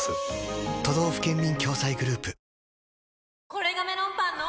これがメロンパンの！